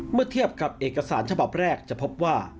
เมื่อเทียบกับเอกสารฉบับแรกจะพบว่า